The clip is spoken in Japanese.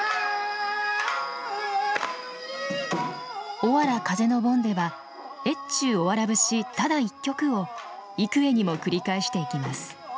おわら風の盆では「越中おわら節」ただ一曲を幾重にも繰り返していきます。